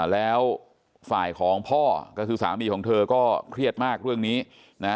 แล้วฝ่ายของพ่อก็คือสามีของเธอก็เครียดมากเรื่องนี้นะฮะ